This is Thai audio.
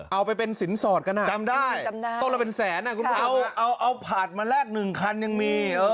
เอาไปเป็นสินสอดกันอ่ะตัวเราเป็นแสนอ่ะคุณผู้ชมค่ะเอาผัดมาแลกหนึ่งคันยังมี